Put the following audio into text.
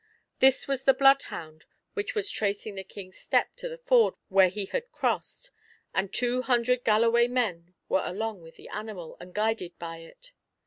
This was the bloodhound which was tracing the King's steps to the ford where he had crossed, and two hundred Galloway men were along with the animal, and guided by it.